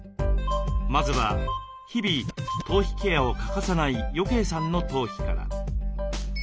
まずは日々頭皮ケアを欠かさない余慶さんの頭皮から。